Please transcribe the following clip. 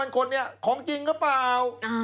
๖๘๒๐๐๐คนของจริงก็เปล่า